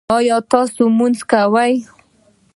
ایا تاسو لمونځ کوئ؟